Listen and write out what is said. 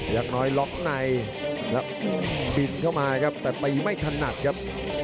อย่างน้อยล็อกในแล้วบินเข้ามาครับแต่ตีไม่ถนัดครับ